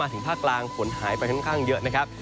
ถึงภาคกลางฝนหายไปค่อนข้างเยอะนะครับ